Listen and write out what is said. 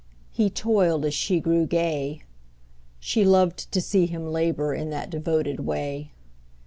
He toiled as she grew gay. She loved to see him labor In that devoted way.